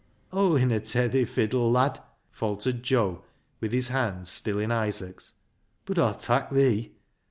" Aw winna tak' thi fiddle, lad," faltered Joe with his hand still in Isaac's, " bud Aw'll tak' thee.